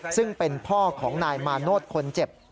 ซึ่งเป็นพ่อของนายมาโนธคนเจ็บ